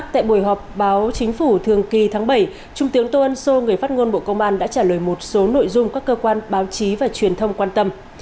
tại buổi họp báo chính phủ thường kỳ tháng bảy trung tướng tô ân sô người phát ngôn bộ công an đã trả lời một số nội dung các cơ quan báo chí và truyền thông quan tâm